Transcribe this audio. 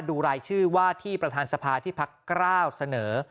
ดูรายชื่อว่าที่ประธานสภาที่พักกล้าวเสนอ